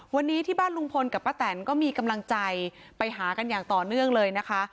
วันนี้ที่บ้านลุงพลกับป้าแตนก็มีกำลังใจไปหากันอย่างต่อเนื่องเลยนะคะ